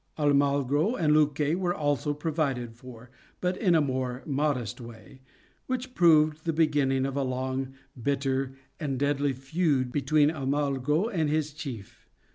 Almagro and Luque were also provided for, but in a more modest way, which proved the beginning of a long, bitter, and deadly feud between Almagro and his chief.